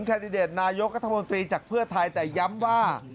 แดดิเดตนายกรัฐมนตรีจากเพื่อไทยแต่ย้ำว่า